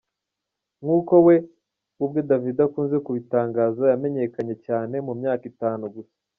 Nk’uko we ubwe Davido akunze kubitangaza, yamenyekanye cyane mu myaka itanu gusa.